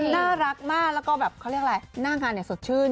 น่ารักมากแล้วก็แบบเขาเรียกอะไรหน้างานสดชื่น